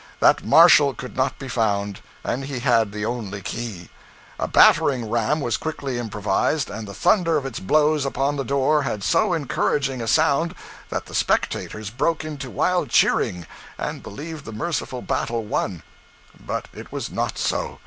That marshal could not be found, and he had the only key. A battering ram was quickly improvised, and the thunder of its blows upon the door had so encouraging a sound that the spectators broke into wild cheering, and believed the merciful battle won. But it was not so.